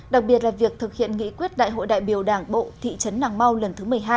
đặc biệt là việc thực hiện nghị quyết đại hội đại biểu đảng bộ thị trấn nàng mau lần thứ một mươi hai